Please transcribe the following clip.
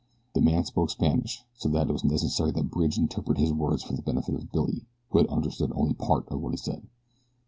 The man spoke Spanish, so that it was necessary that Bridge interpret his words for the benefit of Billy, who had understood only part of what he said.